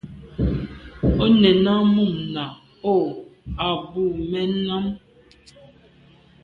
O nèn à mum nà o à bû mèn am.